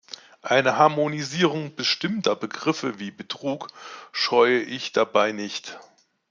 Eine Harmonisierung bestimmter Begriffe wie "Betrug" scheue ich dabei nicht.